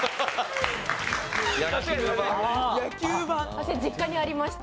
私実家にありました。